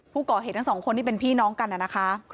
ผู้ก่อเหตุทั้งสองคนที่เป็นพี่น้องกันนะคะ